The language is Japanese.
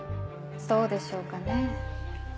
そうでしょうかねぇ。